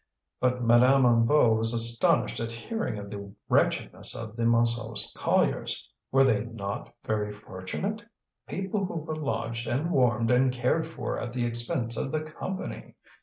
But Madame Hennebeau was astonished at hearing of the wretchedness of the Montsou colliers. Were they not very fortunate? People who were lodged and warmed and cared for at the expense of the Company!